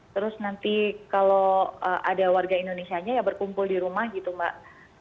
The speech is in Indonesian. terus nanti kalau ada warga indonesia nya ya berkumpul di rumah gitu mbak